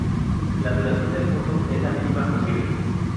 La duración del punto es la mínima posible.